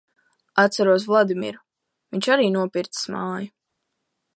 Atceros Vladimiru, viņš arī nopircis māju.